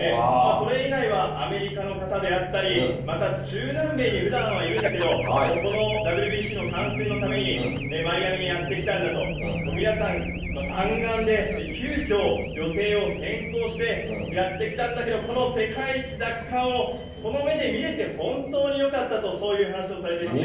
それ以外はアメリカの方であったり、また中南米にふだんはいるんだけど、このＷＢＣの観戦のためにマイアミにやって来たんだと。皆さん、弾丸で急きょ予定を変更して、やって来たんだけど、この世界一奪還を、この目で見れて本当によかったと、そういう話をされてますね。